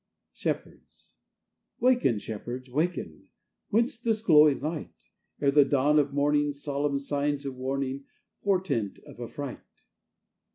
(Shepherds)Waken, Shepherds, waken; Whence this glowing light? Ere the dawn of morning, Solemn signs of warningPortent of affright!